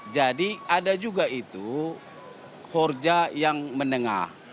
jadi ada juga itu horja yang menengah